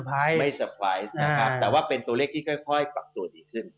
แต่ว่าเป็นตัวเลขที่ค่อยปรับตัวดีขึ้น